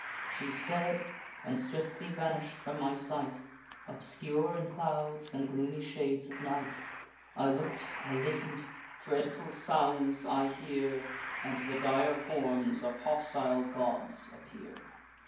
She said, and swiftly vanish'd from my sight, Obscure in clouds and gloomy shades of night. I look'd, I listen'd; dreadful sounds I hear; And the dire forms of hostile gods appear.